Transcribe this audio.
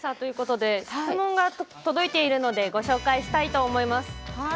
質問が届いているのでご紹介したいと思います。